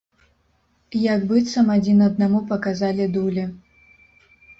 Як быццам адзін аднаму паказалі дулі.